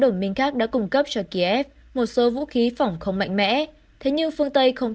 đồng minh khác đã cung cấp cho kiev một số vũ khí phỏng không mạnh mẽ thế nhưng phương tây không